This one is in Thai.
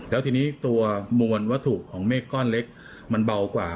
แล้วทีนี้ตัวมวลวัตถุของเมฆก้อนเล็กมันเบากว่า